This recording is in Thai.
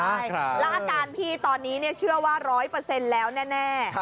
แล้วอาการพี่ตอนนี้เชื่อว่า๑๐๐แล้วแน่